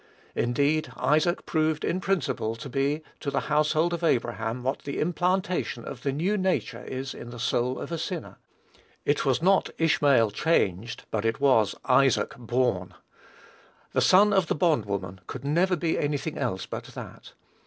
Indeed, Isaac proved in principle to be to the household of Abraham what the implantation of the new nature is in the soul of a sinner. It was not Ishmael changed, but it was Isaac born. The son of the bond woman could never be any thing else but that.